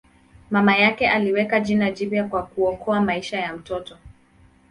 Mama yake aliweka jina jipya kwa kuokoa maisha ya mtoto.